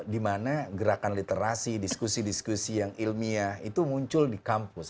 dimana gerakan literasi diskusi diskusi yang ilmiah itu muncul di kampus